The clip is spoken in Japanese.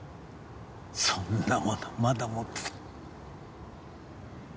そんなものまだ持って。